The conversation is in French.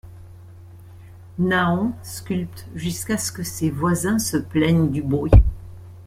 Nahon sculpte jusqu'à ce que ses voisins se plaignent du bruit.